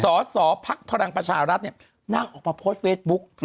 สอสอภักษ์พลังประชารัฐนั่งออกมาโพสต์เฟซบุ๊ก